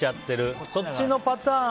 そっちのパターン